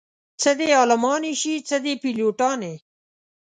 څه دې عالمانې شي څه دې پيلوټانې